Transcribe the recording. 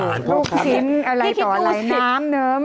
ลูกชิ้นอะไรต่ออะไรน้ำเนิม